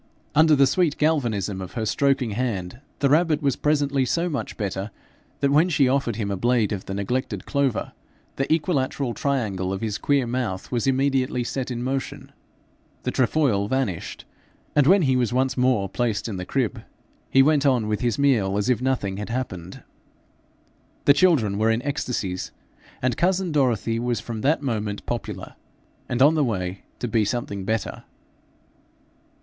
Under the sweet galvanism of her stroking hand the rabbit was presently so much better that when she offered him a blade of the neglected clover, the equilateral triangle of his queer mouth was immediately set in motion, the trefoil vanished, and when he was once more placed in the crib he went on with his meal as if nothing had happened. The children were in ecstasies, and cousin Dorothy was from that moment popular and on the way to be something better.